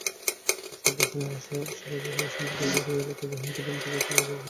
শব্দ শুনে আশপাশের বাসিন্দারা বেরিয়ে এলে তাঁদের হুমকি-ধমকি দিয়ে তাড়িয়ে দেওয়া হয়।